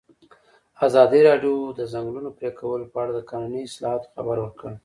ازادي راډیو د د ځنګلونو پرېکول په اړه د قانوني اصلاحاتو خبر ورکړی.